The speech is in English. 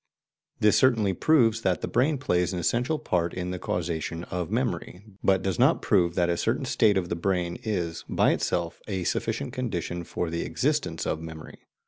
This certainly proves that the brain plays an essential part in the causation of memory, but does not prove that a certain state of the brain is, by itself, a sufficient condition for the existence of memory.